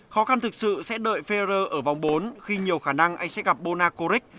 khó khăn thực sự sẽ đợi ferrer ở vòng bốn khi nhiều khả năng anh sẽ gặp bona koric